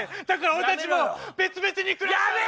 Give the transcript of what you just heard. だから俺たちもう別々に暮らし。